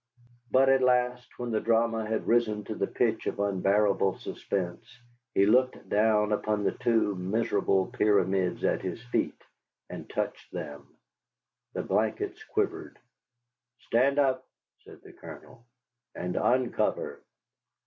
But at last, when the drama had risen to the pitch of unbearable suspense, he looked down upon the two miserable pyramids at his feet, and touched them. The blankets quivered. "Stand up," said the Colonel, "and uncover."